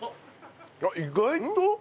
あっ意外と？